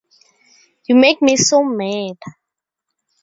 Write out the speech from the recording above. You make me so mad!